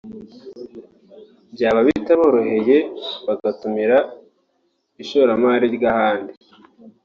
byaba bitaboroheye bagatumira ishoramari ry’ahandi